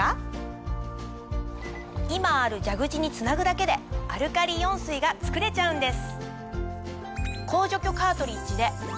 今ある蛇口につなぐだけでアルカリイオン水が作れちゃうんです。